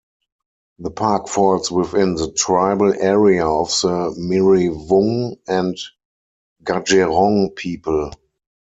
The park falls within the tribal area of the Mirriwung and Gadjerong people.